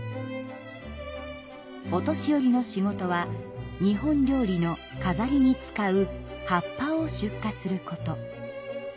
お年寄りの仕事は日本料理の飾りに使う葉っぱを出荷すること。